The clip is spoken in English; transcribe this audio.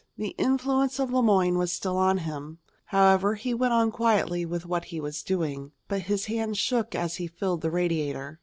The influence of Le Moyne was still on him, however, and he went on quietly with what he was doing. But his hands shook as he filled the radiator.